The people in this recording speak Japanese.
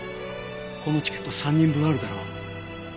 このチケット３人分あるだろ？